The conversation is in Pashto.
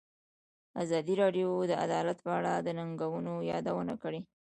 ازادي راډیو د عدالت په اړه د ننګونو یادونه کړې.